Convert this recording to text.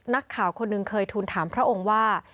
นักข่าวคนหนึ่งเคยทูลถามพระองค์ว่า